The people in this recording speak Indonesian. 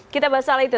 kita bahas soal itu